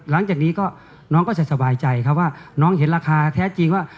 หลังจากนี้ก็น้องก็จะสบายใจครับว่าน้องเห็นราคาแท้จริงว่า